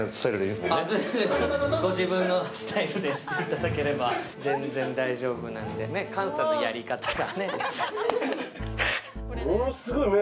ご自分のスタイルでやっていただければ大丈夫なんで、菅さんのやり方で。